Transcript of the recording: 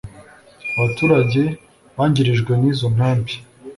abaturage bangirijwe n’izo ntambi